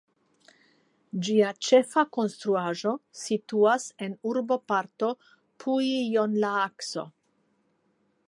Ĝia ĉefa konstruaĵo situas en urboparto Puijonlaakso.